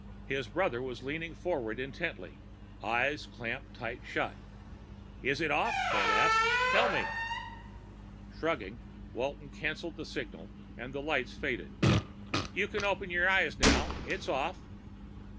His brother was leaning forward intently, eyes clamped tight shut. "Is it off?" Fred asked. "Tell me!" Shrugging, Walton canceled the signal and the lights faded. "You can open your eyes, now. It's off."